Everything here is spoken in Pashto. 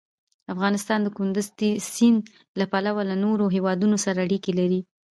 افغانستان د کندز سیند له پلوه له نورو هېوادونو سره اړیکې لري.